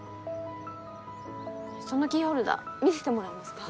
そのキーホルダー見せてもらえますか？